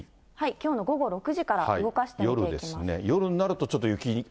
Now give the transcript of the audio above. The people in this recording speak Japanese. きょうの午後６時から動かして見ると。